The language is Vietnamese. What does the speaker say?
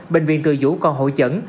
bệnh viện từ dũ còn hội chẩn